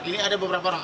ini ada beberapa orang